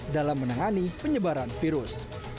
dalam menangani penyebaran virus